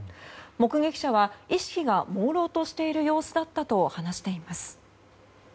目撃者は意識がもうろうとしている様子だったと話しています。